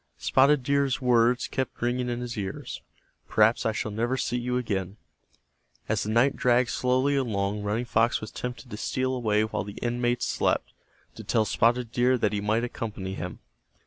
Spotted Deer's words kept ringing in his ears: "Perhaps I shall never see you again." As the night dragged slowly along Running Fox was tempted to steal away while the inmates slept, to tell Spotted Deer that he might accompany him.